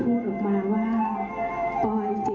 และน้องปอยถูกกระสุนขนาดเก้าหมอด้านหลังตัดพรุ่งหัวใจ